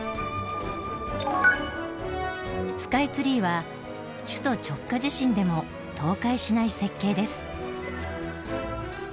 スカイツリーは首都直下地震でも倒壊しない設計です。